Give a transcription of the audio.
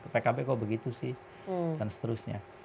pkb kok begitu sih dan seterusnya